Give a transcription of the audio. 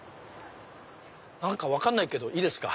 何か分かんないけどいいですか？